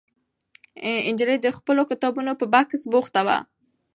نجلۍ د خپلو کتابونو په بکس بوخته وه.